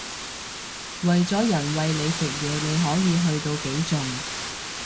為咗人餵你食嘢你可以去到幾盡